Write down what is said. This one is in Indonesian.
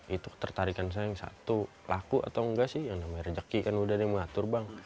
itu tertarikan saya yang satu laku atau nggak sih yang namanya rejeki kan udah ada yang mengatur bang